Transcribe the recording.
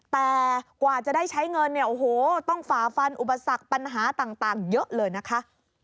แต่กว่าจะได้ใช้เงินเนี่ยโอ้โหต้องฝ่าฟันอุปสรรคปัญหาต่างเยอะเลยนะคะ